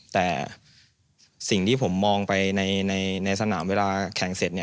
แต่สิ่งที่ผมมองไปในสนามเวลาแข่งเสร็จ